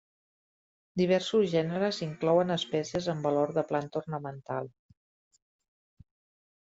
Diversos gèneres inclouen espècies amb valor de planta ornamental.